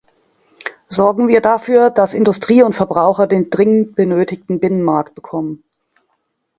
Sorgen wir dafür, dass Industrie und Verbraucher den dringend benötigten Binnenmarkt bekommen.